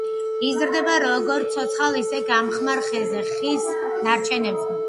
იზრდება როგორც ცოცხალ, ისე გამხმარ ხეზე, ხის ნარჩენებზე.